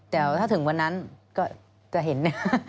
แต่ถ้าถึงวันนั้นก็จะเห็น